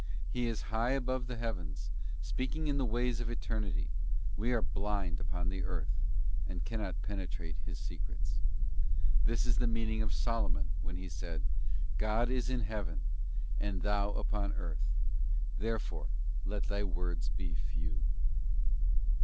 He is high above the heavens, speaking in the ways of eternity; we are blind upon earth, and cannot penetrate His secrets. This is the mean ing of Solomon when he said: 'God is in Heaven, and thou upon earth ; therefore let thy words be few.